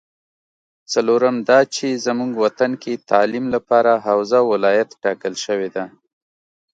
څلورم دا چې زمونږ وطن کې تعلیم لپاره حوزه ولایت ټاکل شوې ده